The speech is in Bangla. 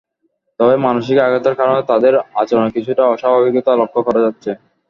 তবে মানসিক আঘাতের কারণে তাদের আচরণে কিছুটা অস্বাভাবিকতা লক্ষ করা যাচ্ছে।